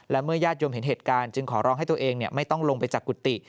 และเมื่อญาติโยมเห็นเหตุการณ์จึงขอร้องให้ตัวเองไม่ต้องลงไปจากกุฏิ